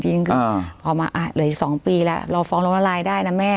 เหลือ๒ปีแล้วเราฟ้องล้มละลายได้นะแม่